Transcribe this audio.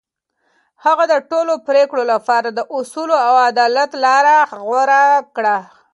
هغه د ټولو پرېکړو لپاره د اصولو او عدالت لار غوره کړه.